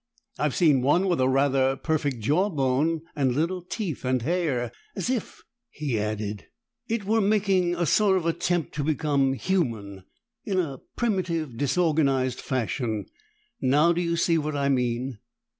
I've seen one with a rather perfect jaw bone, and little teeth, and hair. As if," he added, "it were making a sort of attempt to become human, in a primitive, disorganized fashion. Now do you see what I mean?"